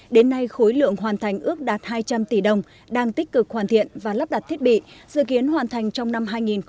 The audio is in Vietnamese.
đến nay khối lượng hoàn thành ước đạt hai trăm linh tỷ đồng đang tích cực hoàn thiện và lắp đặt thiết bị dự kiến hoàn thành trong năm hai nghìn hai mươi